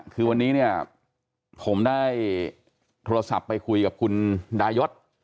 คือวันนี้เนี่ยผมได้โทรศัพท์ไปคุยกับคุณดายศ